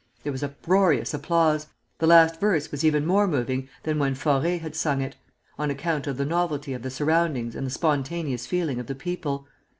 There was uproarious applause. The last verse was even more moving than when Faure had sung it, on account of the novelty of the surroundings and the spontaneous feeling of the people.